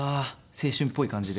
青春っぽい感じで。